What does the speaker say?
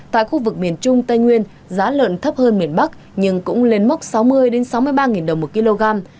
tại khu vực miền trung tây nguyên giá lợn thấp hơn miền bắc nhưng cũng lên mốc sáu mươi sáu mươi ba đồng một kg